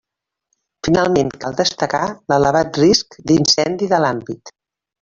Finalment, cal destacar l'elevat risc d'incendi de l'àmbit.